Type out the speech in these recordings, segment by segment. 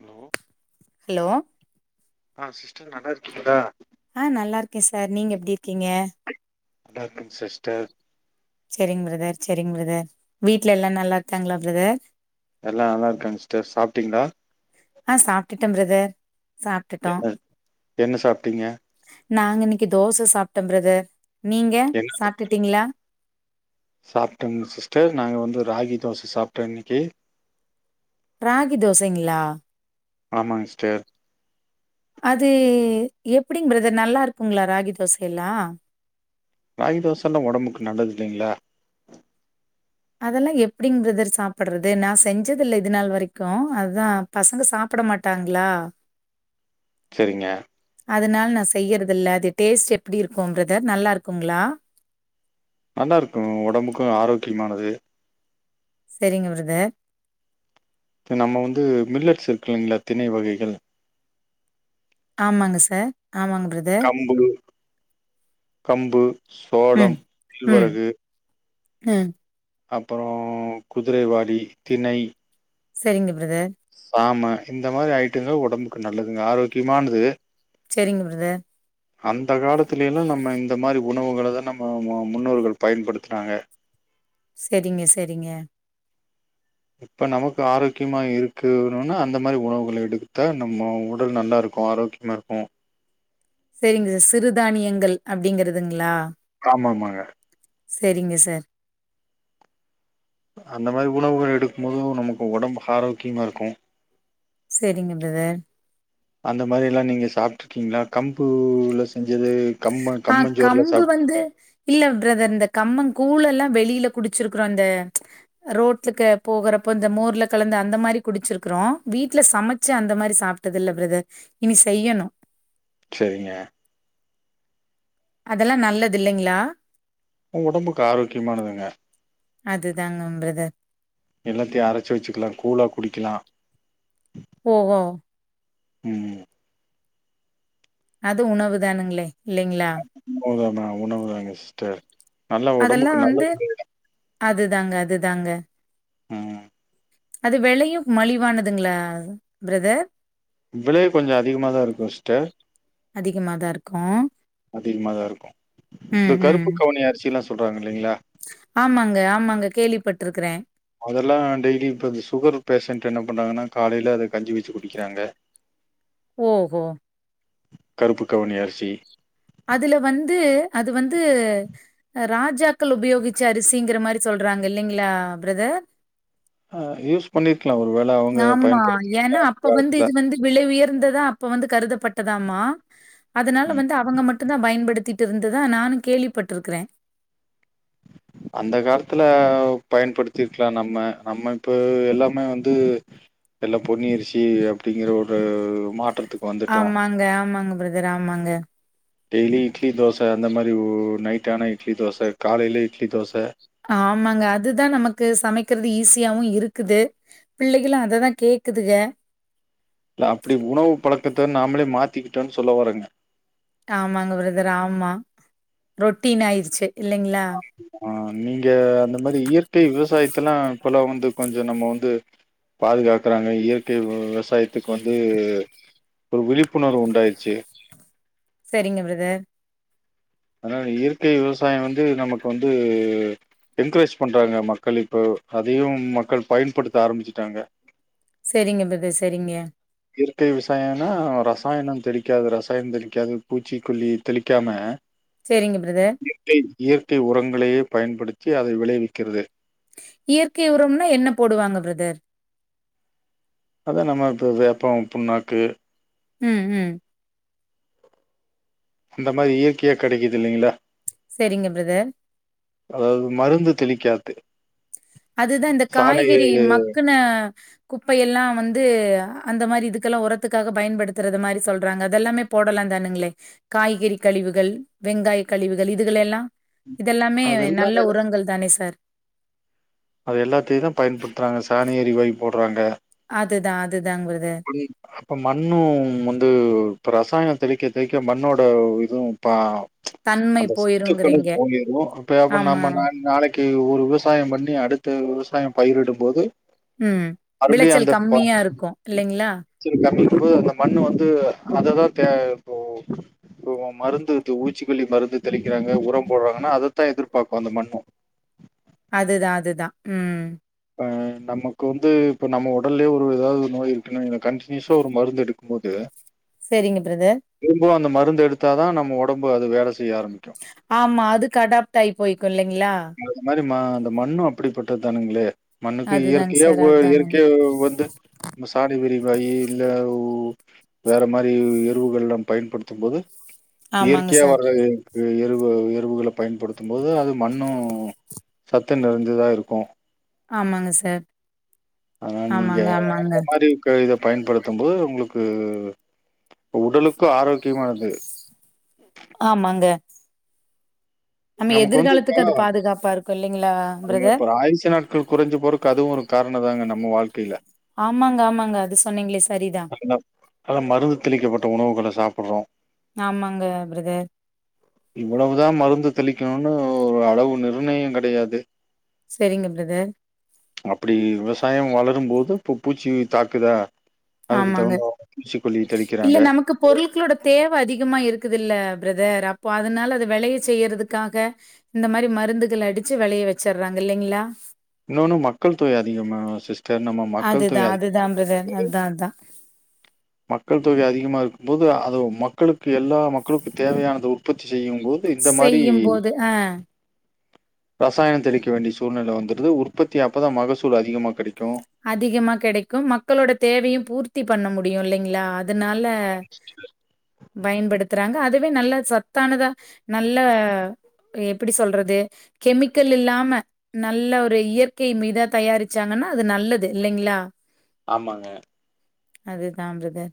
Hello hello ஆ sister நல்லா இருக்கிங்ளா ஆ நல்லா இருக்கே சார் நீங்க எப்டி இருக்கீங்க நல்லாருக்கங் சிஸ்டர் சேரிங் பிரதர், சேரிங் பிரதர் வீட்ல எல்லா நல்லா இருக்காங்ளா பிரதர் எல்லா நல்லா இருக்காங்க சிஸ்டர், சாப்டீங்ளா? ஆ, சாப்ட்டுட்ட பிரதர் சாப்ட்டுட்டோ என்ன என்ன சாப்டீங்க? நாங்க இன்னைக்கு தோச சாப்டோம் பிரதர், நீங்க சாப்டுட்டீங்ளா? சாப்டங் சிஸ்டர், நாங்க வந்து ராகி தோச சாப்டோ இன்னிக்கு ராகி தோசைங்களா ஆமாங் சிஸ்டர் அது எப்டிங் பிரதர் நல்லா இருக்குங்ளா ராகி தோசயெல்லா ராகி தோசல்லா ஒடம்புக்கு நல்லது இல்லைங்ளா அதெல்லா எப்டிங் பிரதர் சாப்புட்றது நா செஞ்சது இல்ல இது நாள் வரைக்கு அதா பசங்க சாப்ட மாட்டாங்ளா சரிங்க அதனால நா செய்யறதில்ல அது டேஸ்ட் எப்டி இருக்கு பிரதர் நல்லாருக்குங்ளா நல்லா இருக்கு ஒடம்புக்கு ஆரோக்கியமானது சரிங்க பிரதர் இது நம்ம வந்து மில்லட்ஸ் இருக்கு இல்லைங்களா தினை வகைகள் ஆமாங்க சார் ஆமாங் பிரதர் கம்பு கம்பு சோளம் ம் ம் கேழ்வரகு ம் அப்பறோ குதிரைவாலி தினை சரிங்க பிரதர் ஆமா இந்த மாரி ஐட்டங்க ஒடம்புக்கு நல்லதுங்க ஆரோக்கியமானது செரிங்க பிரதர் அந்த காலத்துலய எல்லா நம்ம இந்த மாரி உணவுகள தா நம்ம முன்னோர்கள் பயன்படுத்துனாங்க செரிங்க செரிங்க இப்ப நமக்கு ஆரோக்கியமா இருக்கணுன்னா அந்த மாரி உணவுகள எடுத்தா நம்ம உடல் நல்லா இருக்கு ஆரோக்கிய மா இருக்கு செரிங்க சார் சிறுதானியங்கள் அப்டிங்கிறதுங்ளா ஆமா ஆமாங்க செரிங்க சார் அந்த மாரி உணவுகள் எடுக்கும் போது நமக்கு ஒடம்பு ஆரோக்கியமா இருக்கு செரிங்க பிரதர் அந்த மாரி எல்லா நீங்க சாப்டுருக்கீங்களா கம்புல செஞ்சது கம்ம ஆ கம்மஞ்சோறுல கம்பு சாப் வந்து இல்ல பிரதர் இந்த கம்மங் கூழ் எல்லா வெளில குடிச்சிருக்குறோ இந்த ரோட்டுக்கு போகறப்ப இந்த மோர்ல கலந்து அந்த மாரி குடிச்சிருக்குறோ வீட்ல சமச்சி அந்த மாரி சாப் ட்டது இல்ல பிரதர் இனி செய்யணு செரிங்க அதெல்லா நல்லது இல்லைங்ளா ஒடம்புக்கு ஆரோக்கியமானதுங்க அதுதாங்க பிரதர் எல்லாத்தயு அரச்சி வச்சுக்கலா கூழா குடிக்கலா ஓ ஓ ம் அது உணவு தானுங்களே இல்லைங்களா உண்ம தான உணவுதாங்க சிஸ்டர் நல்லா அதெல்லா ஒடம்புக்கு வந்து நல்லது அதுதாங்க அதுதாங்க ம் அது வெளையு மலிவானதுங்களா பிரதர் விலை கொஞ்சோ அதிகமாதா இருக்கு சிஸ்டர் அதிகமாக அதிகமாதா இருக்கு ம், இந்த ம். கருப்பு கவணி அரிசில்லா சொல்றாங்க இல்லைங்களா ஆமாங்க ஆமாங்க கேள்விப்பட்டட்டுருக்குறே அதெல்லா டெய்லி இப்ப இந்த சுகர் பேஷண்ட் என்ன பண்றாங்கன்னா காலேல அத கஞ்சி வச்சு குடிக்கிறாங்க ஓஹோ கருப்பு கவணி அரிசி அதுல வந்து அது வந்து ராஜாக்கள் உபயோகிச்ச அரிசிங்கிற மாரி சொல்றாங்க இல்லைங்களா பிரதர் ஆ யூஸ் பண்ணிரு க்கலா ஒரு வேல ஆமா ஏன்னா அப்ப வந்து இது வந்து விலை உயர்ந்ததா அப்ப வந்து கருதப்பட்டதாமா அதனால ம். வந்து அவங்க மட்டுந்தா பயன்படுத்தி இருந்ததா நானு கேள்விப்பட்டுருக்கிறே அந்த காலத்துல பயன்படுத்திருக்கலா நம்ம நம்ம இப்ப எல்லாமே வந்து எல்லா பொன்னி அரிசி அப்டிங்கிற ஒரு மாற்றத்துக்கு வந்துட்டோம். ஆமாங்க ஆமாங்க பிரதர் ஆமாங்க டெய்லி இட்லி தோச அந்த மாரி ஒரு நைட் ஆனா இட்லி தோச காலேல இட்லி தோச ஆமாங்க அதுதா நமக்கு சமைக்கிறது ஈஸியாவு இருக்குது பிள்ளைகளு அததா கேக்குதுக இல்ல அப்டி உணவு பழக்கத்த நாமளே மாத்திக்கிட்டோன்னு சொல்ல வர்றேங்க ஆமாங்க பிரதர் ஆமா ரொட்டின் ஆயிருச்சி இல்லைங்ளா ஆ நீங்க அந்த மாரி இயற்கை விவசாயத்தெல்லா இப்பெல்லா வந்து கொஞ்ச நம்ம வந்து பாதுகாக்கறாங்க இயற்கை வெ விவசாயத்க்கு வந்து ஒரு விழிப்புணர்வு உண்டாயிர்ச்சி செரிங்க பிரதர் அதனால இயற்கை விவசாய வந்து நமக்கு வந்து என்கரேஜ் பண்றாங்க மக்கள் இப்போ அதையு மக்கள் பயன்படுத்த ஆரம்பிச்சிட்டாங்க சேரிங்க பிரதர் சேரிங்க இயற்கை விசாயனா ரசாயனம் தெளிக்காத ரசாயன தெளிக்காத பூச்சிக்கொல்லி தெளிக்காம சேரிங்க பிரதர் இயற்கை இயற்கை உரங்களையே பயன்படுத்தி அதை விளைவிக்கிறது இயற்கை உரம்னா என்ன போடுவாங்க பிரதர் அதா நம்ம இப்ப இது போம் புண்ணாக்கு ம் ம் அந்த மாரி இயற்கையா கெடைக்கிது இல்லைங்களா செரிங்க பிரதர் அதாவது மருந்து தெளிக்காது அதுதா இந்த சாணை காய்கறி மக்குன குப்பையெல்லா வந்து அந்த மாரி இதுக்கெல்லா ஓரத்துக்காக பயன்படுத்துறது மாரி சொல்றாங்க அதெல்லாமே போடலா தானுங்ளே காய்கறி கழிவுகள் வெங்காய கழிவுகள் இதுகள எல்லா இதெல்லாமே அதெல்லாம் நல்ல உரங்கள் தானே சார் அது எல்லாத்தியு தா பயன்படுத்துறாங்க சணா ஏரி வாயு போட்றாங்க அதுதா அதுதாங் பிரதர் புடி இப்ப மண்ணு வந்து இப்ப ரசாயன தெளிக்க தெளிக்க மண்ணோட இதுவு பா தன்மை அந்த சத்துக்களு போயிருங்கிறீங்க. தூங்கிரு அப்ப அப்ப ஆமா. நம்ம நா நாளைக் கு ஒரு விவசாய பண்ணி அடுத்த விவசாய பயிரிடும் போது ம் விளச்சல் கம்மியா இருக்கு இல்லைங்ளா சிரு கம்மிப்பு அந்த மண்ணு வந்து அததா தே இப்போ இப்ப ஒ மருந்து து ஊச்சிக்கொல்லி மருந்து தெளிக்கிறங்க உரம் போடுறாங்கனா அதத்தா எதிர்பாக்கு அந்த மண்ணு அதுதா அதுதா ம் இப்ப நமக்கு வந்து இப்போ நம்ம உடல்லயே ஒரு ஏதாவது நோய் இருக்குன்னு இல்ல கன்டினியூஸா ஒரு மருந்து எடுக்கு போது செரிங்க பிரதர் திரும்பவு அந்த மருந்து எடுத்தா தா நம்ம ஒடம்பு அது வேல ஆமா அதுக் ஆடாப்ட் ஆயி போய்க்கு இல்லைங்ளா இந்த மாரி ம அந்த மண்ணு அப்டிப் பட்டது தானுங்ளே மண்ணுக்கு அதுதாங்க இயற்கையா சார், வொ அதானங்க. இயற்கைய வந்து நம்ம சாண வெறிவாய் இல்ல வேற மாரி எருவுகள்லா பயன்படுத்தும் போது ஆமாங்க இயற்கையா சார். வர்றது எருவு எருவுகள பயன்படுத்தும் போது அது மண்ணு சத்து நெறஞ்சதா இருக்கு ஆமாங்க சார் ஆனா நீங்க ஆமாங்க, ஆமாங்க. அந்த மாரி க இத பயன்படுத்தும் போது உங்களுக்கு இப்ப உடலுக்கு ஆரோக்கியமானது ஆமாங்க நம்ம நமக்கு வந்து எதிர்காலத்துக்கு இப்ப அது பாதுகாப்பா இருக்கும் இல்லைங்களா நீங்க பிரதர்? அப்பற ஆயி்சு நா கு குறஞ்சி போறக்கு அதுவு ஒரு காரண தாங்க நம்ம வாழ்க்கையில ஆமாங்க ஆமாங்க அது சொன்னீங்ளே சரிதா அதுலா அதா மருந்து தெளிக்கப்பட்ட உணவுகள சாப்புறோ ஆமாங்க பிரதர் இவ்வளவுதா மருந்து தெளிக்கனுனு ஒரு அளவு நிர்ணய கெடையாது செரிங்க பிரதர் அப்டி விவசாயம் வளரும் போது பு பூச்சி தாக்குதா அதுக்கு ஆமாங்க. தகுந்த பூச்சிகொல்லி தெளிக்கிறாங்க பொருள்குளோட தேவ அதிகமா இருக்குதுல்ல பிரதர் அப்போ அதுனால அத வெளைய செய்யறதுக்காக இந்த மாரி மருந்துகள் அடிச்சு வெளைய வச்சுறாங்க இல்லைங்ளா இன்னொன்னு மக்கள் தொகை அதிகமா சிஸ்டர் நம்ம மக்கள் தொகை அதி [inaudible] அதா மக்கள் தொகை அதிகமா இருக்கும்போது அது மக்களுக்கு எல்லா மக்களுக்கு தேவையானது உற்பத்தி செய்யும் போ து இந்த மாரி செய்யும்போது அ ரசாயோ தெளிக்க வேண்டிய சூழ்நெல வந்துடுது உற்பத்தி அப்பதா மகசூல் அதிகமா கெடைக்கு அதிகமா கெடைக்கும் மக்களோட தேவையு பூர்த்தி பண்ண முடியு இல்லைங்ளா அதுனால அ பயன்படுத்துறாங்க அதுவே நல்ல சத்தானதா நல்ல எப்டி சொல்றது கெமிக்கல் இல்லாம நல்ல ஒரு இயற்கை மீதா தயாரிச்சாங்கனா அது நல்லது இல்லைங்ளா ஆமாங்க அதுதா பிரதர்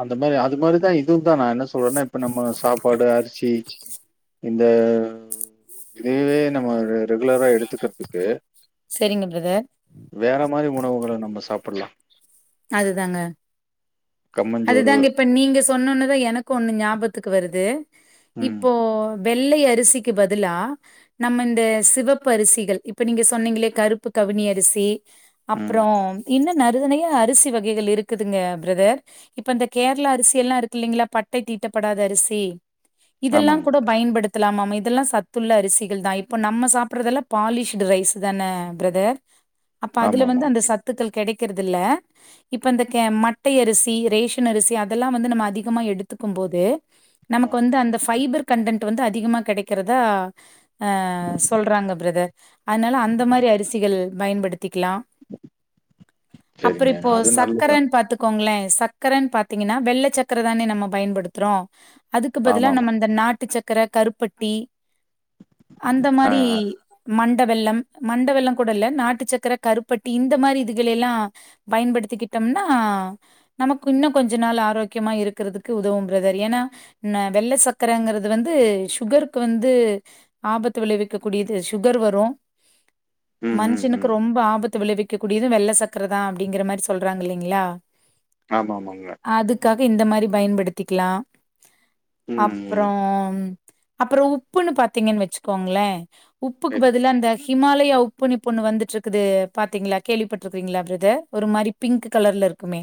அந்த மாரி அது மாரிதா இதுவுந்தா நா என்ன சொல்றேனா இப்ப நம்ம சாப்பாடு அரிசி இந்த இதுவே நம்ம ஒரு ரெகுலரா எடுத்துக்கிற்துக்கு சரிங்க பிரதர். வேற மாரி உணவுகள நம்ம சாப்புட்லா அதுதாங்க கம்மஞ்சோறு அதுதாங்க இப் ப நீங்க சொன்னுன்னுதா எனக்கு ஒன்னு ஞாபத்துக்கு வருது ம் இப்போ வெள்ளை அரிசிக்கு பதிலா நம்ம இந்த சிவப்பு அரிசிகள் இப்போ நீங்க சொன்னீங்ளே கருப்பு கவினி அரிசி ம் அப்புறம் இன்னு நருதனையா அரிசி வகைகள் இருக்குதுங்க பிரதர் இப்ப இந்த கேர்ளா அரிசி எல்லா இருக்கு இல்லைங்கிளா பட்டை தீட்டப்படாத அரிசி இதெல்லாங் ஆமாங்க கூடோ பயன்படுத்தலாமாமே இதெல்லா சத்துள்ள அரிசிகள் தா இப்போ நம்ம சாப்புட்றதெல்லா பாலிஷிடு ரைஸு தான பிரதர் உம் அப்ப அதுல வந்து அந்த சத்துக்கள் கெடைக்கருதில்ல இப்ப இந்த கே மட்டை அரிசி ரேஷன் அரிசி அதெல்லா வந்து நம்ம அதிகமா எடுத்துக்கும்போது ஆ, நமக்கு வந்து அந்த ஃபைபர் கன்டன்ட் வந்து அதிகுமா கெடைக்கிறதா அ சொல்றாங்க பிரதர் அதுனால அந்த மாரி அரிசிகள் பயன்படுத்திக்கிலா புறு சரிங்க இப்போ அது நல்லதுதா சக்கரன் பாத்து கோங்ளே சக்கரன் பாத்தீங்கினா வெள்ள சக்கர தானே நம்ம பயன்படுத்றோ அதுக்கு பதிலா ஆமா ஆமா நம்ம இந்த நாட்டு சக்கர கருப்பட்டி அந்த ஆ மாரி ஆ மண்ட வெல்லம் மண்ட வெல்லொ கூட இல்ல நாட்டு சக்கர கருப்பட்டி இந்த மாரி இதுகள் எல்லா பயன்படுத்திக்கிட்டம்னா நமக்கு இன்னு கொஞ்ச நாள் ஆரோக்கியமா இருக்கிறதுக்கு உதவு பிரதர் ஏனா ந வெள்ள சக்கரங்கறது வந்து சுகருக் வந்து ஆபத்து விளைவிக்க கூடியது சுகரு வரு ம் ம் மன்ஷனுக்கு ம் ரொம்பா ஆபத்து விளைவிக்க கூடியது வெள்ள சக்கரதா அப்டிங்கிற மாரி சொல்றாங் இல்லைங்ளா ஆமா ஆமாங்க அதுக்காக இந்த மாரி பயன்படுத்திகிலா ம் ம் அப்றோம் அப்றோ உப்புன்னு பாத்தீங்கன் வச்சுக்கோங்ளே உப்புக்கு சரிங்க பதிலா இந்த ஹிமாலயா உப்புனு இப்பொன்னு வந்துட்ருக்குது பாத்தீங்ளா கேள்விப்பட்ருக்றீங்ளா பிரதர் ஒரு மாரி பிங்க்கு கலர்ல இருக்குமே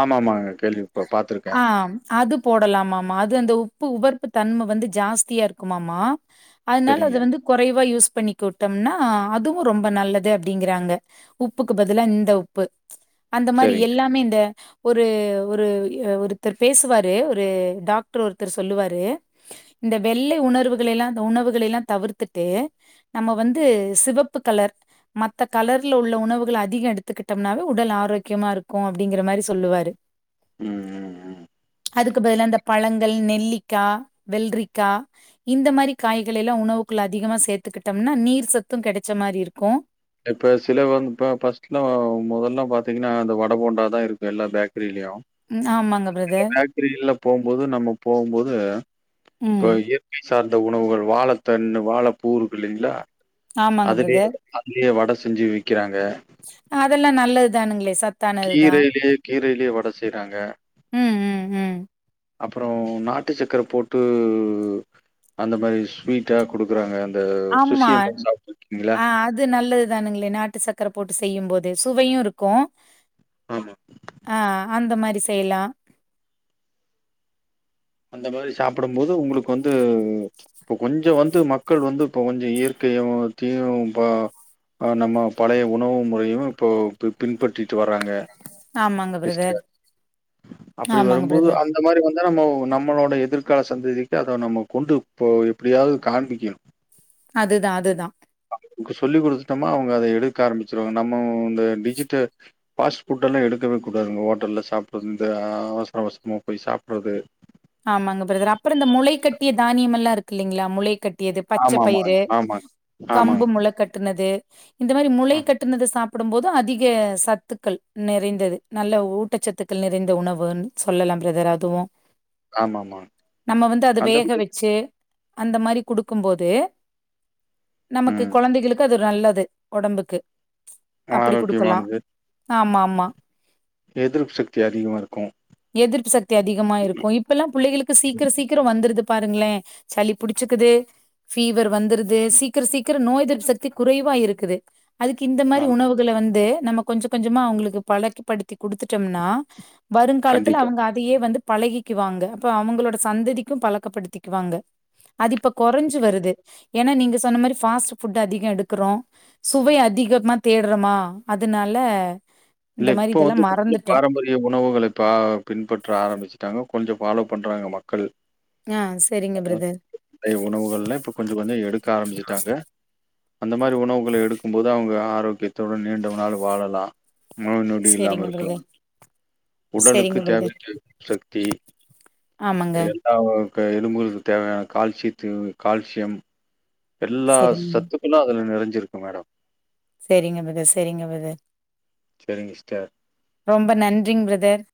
ஆமா ஆமாங்க கேள்வி உப்ப பாத்துருக்கே ஆ அது போடலாமாமா அது அந்த உப்பு உவர்ப்பு தன்ம வந்து ஜாஸ்தியா இருக்குமாமா அதனால சரிங்க அத வந்து கொறைவா யூஸ் பண்ணிக்கிட்டோம்னா அதுவு ரொம்ப நல்லது அப்டிங்கறாங்க உப்புக்கு பதிலா இந்த உப்பு அந்த மாரி சரிங்க எல்லாமே இந்த ஒரு ஒரு எ ஒருத்தர் பேசுவாரு ஒரு டாக்டர் ஒருத்தர் சொல்லுவாரு இந்த வெள்ளை உணர்வுகளை எல்லா அந்த உணவுகளை எல்லா தவிர்த்துட்டு நம்ம வந்து சிவப்பு கலர் மத்த கலர்ல உள்ள உணவுகள் அதிக எடுத்துக்குட் டோம்னாவே உடல் ஆரோக்கியமா இருக்கு அப்டிங்கிற மாரி சொல்லுவாரு ம் ம் ம் அதுக்கு பதிலா இந்த பழங்கள் நெல்லிக்கா வெள்ரிக்கா இந்த மாரி காய்களை எல்லா உணவுக்குள்ள அதிகமா சேர்த்துக்கிட்டம்னா நீர் சத்தும் கெடைச்ச மாரி இருக்கு இப்ப சில வந் இப்ப ஃபர்ஸ்ட்லா மொதல்லா பாத்தீங்கன்னா இந்த வட போண்டா தா இருக்கு எல்லா பேக்ரிலயு ம் ஆமாங்க சில பிரதர். பேக்ரில போம்போது நம்ம போம்போது இப்ப ம் எ [inaudible] சார்ந்த உணவுகள் வாழ தண்ணு வாழப்பூருக்கு இல்லீங்களா ஆமாங்க அதுலயே பிரதர். அதுலயே வட செஞ்சு விக்கிறாங்க ஆ அதெல்லா நல்லது தானுங்களே சத் கீரையிலேயே கீரையிலேயே வட செய்றாங்க ம் ம் ம் அப்புறோ நாட்டு சக்கர போட்டு அந்த மாரி ஸ்வீட் டா குடுக்குறாங்க அந்த ஆமா. சுசிய [inaudible] சாப்ட்டுருக்கீங்களா ஆ அது நல்லது தானுங்களே நாட்டு சக்கர போட்டு செய்யும் போது சுவையு இருக்கு ஆமா. ஆ அந்த மாரி செய்லா அந்த மாரி சாப்புடும் போது உங்களுக்கு வந்து இப்போ கொஞ்ச வந்து மக்கள் வந்து இப்ப கொஞ்ச இயற்கையையு த்தையு ப ஆ நம்ம பழைய உணவு முறையு இப்போ பி பின்பற்றிட்டு வர்றாங்க ஆமாங்க பிரதர். சிஸ்டர் அப்டி ஆமாங்க வரும்போது பிரதர். அந் அந்த மாரி வந்தா நம்மோ நம்மளோட எதிர்கால சந்ததிக்கு அத நம்ம கொண்டு போய் எப்டியாவது காண்பிக்கணு அதுதா அதுதா அவுங்க்கு சொல்லி் குடுத்துட்டோமா அவுங்க அத எடுக்க ஆரம்பிச்சிருவாங்க நம்மோ இந்த டிஜிட்ட ஃபாஸ்ட் ஃபுட்டெல்லா எடுக்கவே கூடாங்க ஹோட்டல்ல சாப்புட்றது இந்த அவசர அவசரமா போய் சாப்புட்றது ஆமாங்க பிரதர் அப்புற இந்த முளைக்கட்டிய தானியம் எல்லா இருக்கு இல்லீங்களா முளைக்கட் டியது பச்ச ஆமாமா. பயிறு ஆமாங்க. கம்பு ஆமாங்க. முளை கட்டுனது இந்த மாரி முளை ஆமா. கட் டுனது சாப்புடும் போது அதிக சத்துக்கள் நிறைந்தது நல்ல ஊட்டச்சத்து கள் நிறைந்த உணவுன் சொல்லலா பிரதர் அதுவு ஆமாமா நம்ம வந்து அத அந்த வேக மாரி வச்சு அந்த மாரி குடுக்கும்போது நமக்கு ம். கொழந்தைகளுக்கு அது ஒரு நல்லது ஒடம்புக்கு அப்டி குடுக்கலா ஆரோக்கியமானது. ஆமா ஆமா எதிர்ப்பு சக்தி அதிகமா இருக்கும். எதிர்ப்பு சக்தி அதிகமா இருக்கு இப்பெல்லா புள்ளைகளுக்கு சீக்கிர சீக் கிரம் வந்துருது பாருங்களே சளி புடிச்சிக்குது ஃபீவர் வந்துருது சீக்கிர சீக்கிர நோய் எதிர்ப்பு சக்தி குறைவா இருக்குது அதுக்கு இந்த மாரி ஆமா. உணவுகள வந்து நம்ம கொஞ்ச கொஞ்சமா அவுங்களுக்கு பழக்கிப்படுத்தி குடுத்துட்டோம்னா வருங்காலத்துல கண்டிப்பா. அவுங்க அதையே வந்து பழகி க்குவாங்க அப்ப அவுங்களோட சந்ததிக்கும் பழக்கப்படுத்திக்குவாங்க அது இப்ப கொறைஞ்சு வருது ஏன்னா நீங்க சொன்ன மாரி ஃபாஸ்ட் ஃபுட் அதிக எடுக்குறோ சுவை அதிகமா தேடுறோமா அதுனால இல்ல இப்போ வந்து கொஞ்ச பாரம்பரிய உணவுகள பா பின்பற்ற ஆரம்பிச்சுட்டாங்க கொஞ்ச ஃபாலோ பண்றாங்க மக்கள் ஆ சரிங்க பிரதர் நெறைய உணவுகள்லா இப்ப கொஞ்ச கொஞ்ச எடுக்க ஆரம்பிச்சுட்டாங்க அந்த மாரி உணவுகள எடுக்கும்போது அவுங்க ஆரோக்கியத்துடன் நீண்ட நாள் வாழலா நோய் நொடில்லாம சரிங்க இருக்கலா பிரதர் உடலுக்கு சரிங்க பிரதர் தேவைக்கு சக்தி ஆமாங்க எல் அ வ க எலும்புகளுக்கு தேவையான கால்சியத்து கால்சியம் எல்லா சரிங்க சத்துக்களு அதுல நெறஞ்சிருக்கு மேடம் சரிங்க ப்ரதர் சரிங்க ப்ரதர் சரிங் ஸ்டர் ரொம்ப நன்றிங் ப்ரதர்